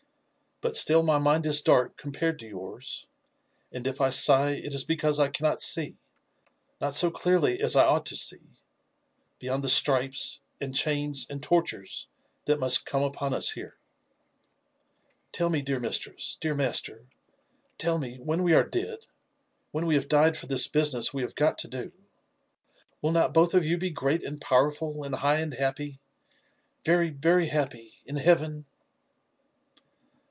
But still my mind is dark compared to yours; and if I sigh, it is because I cannot see^— not so clearly as I ought to see — ^beyond the stripes, and chains, and tortures that must come upon us here. Tell me, dear 70 LIFE AND ADVENTURES OF mistress, dear master—tell me, when we are dead, when we hate died for this business we have got to do, will not both of you be great and powerful and high and happy— very, very happy in heaven?"